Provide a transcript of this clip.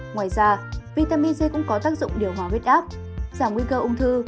ngoài ra vitamin c cũng có tác dụng điều hòa huyết áp giảm nguy cơ ung thư